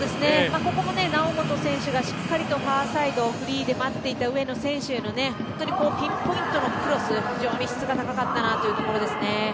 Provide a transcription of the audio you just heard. ここも猶本選手がしっかりとファーサイドフリーで待っていた上野選手への本当に、ピンポイントのクロス非常に質が高かったというところですね。